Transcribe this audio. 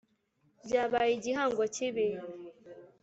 Byabaye igihango kibi